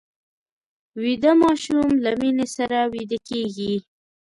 ویده ماشوم له مینې سره ویده کېږي